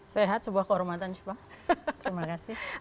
sehat sebuah kehormatan cuma terima kasih